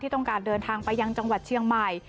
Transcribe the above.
ต้องการเดินทางไปยังจังหวัดเชียงใหม่